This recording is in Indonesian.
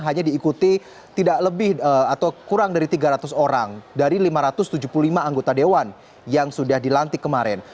hanya diikuti tidak lebih atau kurang dari tiga ratus orang dari lima ratus tujuh puluh lima anggota dewan yang sudah dilantik kemarin